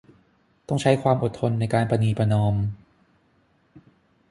ต้องใช้ความอดทนในการประนีประนอม